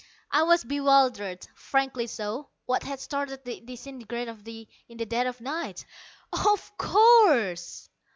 I was bewildered, frankly so. What had started the disintegrator in the dead of night? "Of course!"